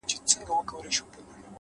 خاموش سکوت ذهن روښانه کوي.!